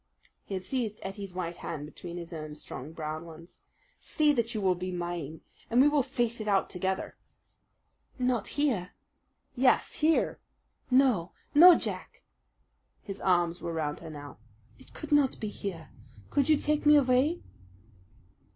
He had seized Ettie's white hand between his own strong brown ones. "Say that you will be mine, and we will face it out together!" "Not here?" "Yes, here." "No, no, Jack!" His arms were round her now. "It could not be here. Could you take me away?"